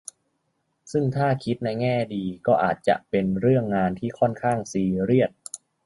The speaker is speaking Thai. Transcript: ซึ่งถ้าคิดในแง่ดีก็อาจจะเป็นเรื่องงานที่ค่อนข้างซีเรียส